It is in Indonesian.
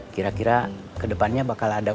kira kira ke depannya bakal ada uang